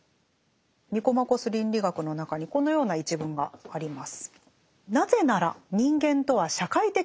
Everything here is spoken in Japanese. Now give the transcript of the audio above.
「ニコマコス倫理学」の中にこのような一文があります。